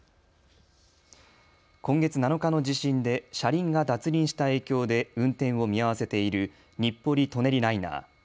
今月７日の地震で車輪が脱輪した影響で運転を見合わせている日暮里・舎人ライナー。